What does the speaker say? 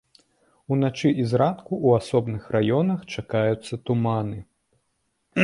Уначы і зранку ў асобных раёнах чакаюцца туманы.